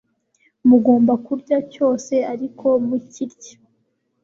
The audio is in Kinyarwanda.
mugomba kurya cyose ariko mukirye